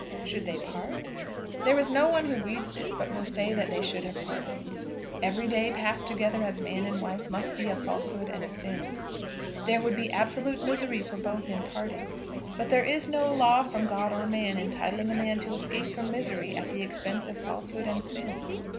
Should they part? There is no one who reads this but will say that they should have parted. Every day passed together as man and wife must be a falsehood and a sin. There would be absolute misery for both in parting; but there is no law from God or man entitling a man to escape from misery at the expense of falsehood and sin.